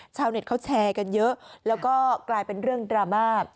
ชาวเน็ตเขาแชร์กันเยอะแล้วก็กลายเป็นเรื่องดราม่า